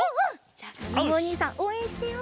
じゃあかずむおにいさんおうえんしてよう